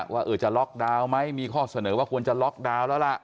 ว่าจะล็อกดาวน์ไหมมีข้อเสนอว่าควรจะล็อกดาวน์แล้วล่ะ